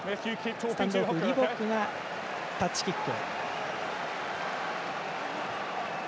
スタンドオフリボックがタッチキック。